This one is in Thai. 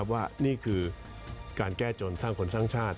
ว่านี่คือการแก้จนสร้างคนสร้างชาติ